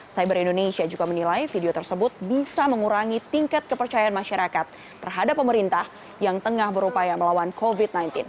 cyber indonesia juga menilai video tersebut bisa mengurangi tingkat kepercayaan masyarakat terhadap pemerintah yang tengah berupaya melawan covid sembilan belas